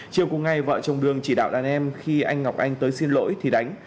chiều cùng ngày vợ chồng đương chỉ đạo đàn em khi anh ngọc anh tới xin lỗi thì đánh